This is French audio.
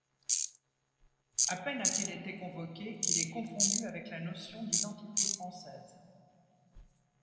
A peine a-t-il été convoqué qu'il est confondu avec la notion d'identité française.